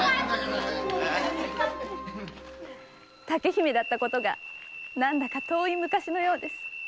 ・竹姫だったことが何だか遠い昔のようです。